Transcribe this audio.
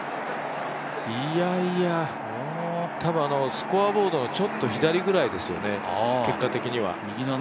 いやいや、多分スコアボードのちょっと左ぐらいですよね、結果的には。